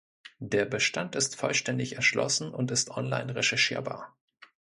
Der Bestand ist vollständig erschlossen und ist online recherchierbar.